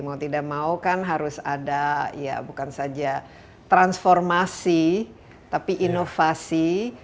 mau tidak mau kan harus ada ya bukan saja transformasi tapi inovasi